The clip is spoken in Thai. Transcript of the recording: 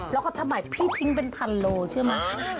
แล้วก็ทำใหม่พี่ทิ้งเป็น๑๐๐๐โลเมตรเชื่อไหม